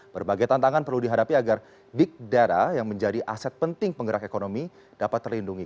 berbagai tantangan perlu dihadapi agar big daerah yang menjadi aset penting penggerak ekonomi dapat terlindungi